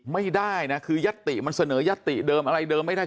ไม่ได้นะคือยัตติมันเสนอยัตติเดิมอะไรเดิมไม่ได้